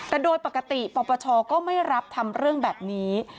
แต่โดยปกติปปชก็ไม่รับทำเรื่องแบบนี้